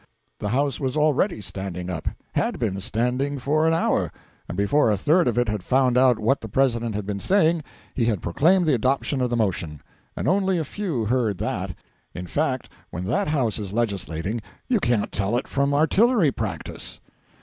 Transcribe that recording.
The House was already standing up; had been standing for an hour; and before a third of it had found out what the President had been saying, he had proclaimed the adoption of the motion! And only a few heard that. In fact, when that House is legislating you can't tell it from artillery practice.